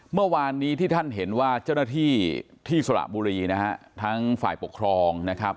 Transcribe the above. เมื่อวานนี้ที่ท่านเห็นว่าเจ้าหน้าที่ที่สระบุรีนะฮะทั้งฝ่ายปกครองนะครับ